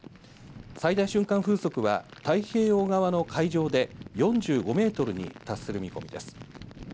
最大瞬間風速は太平洋側の海上で４５メートルに達する見込みです。